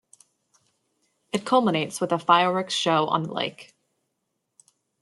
It culminates with a fireworks show on the lake.